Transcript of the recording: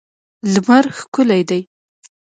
لمر ښکلی دی.